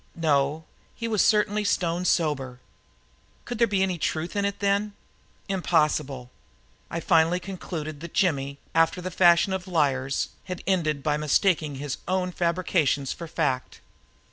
No, he was certainly stone sober. Could there be any truth in it then? Impossible. I finally concluded that Jimmy, after the fashion of liars, had ended by mistaking his own fabrications for fact.